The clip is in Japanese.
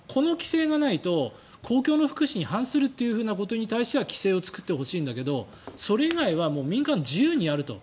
この規制がないと公共の福祉に反するということに対しては規制を作ってほしいんだけどそれ以外は民間、自由にやると。